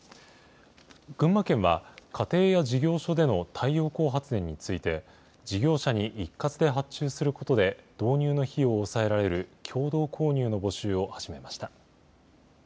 群馬県は、家庭や事業所での太陽光発電について、事業者に一括で発注することで、導入の費用を抑えられる共同購入の募集を始めました。